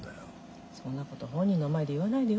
そんなこと本人の前で言わないでよ。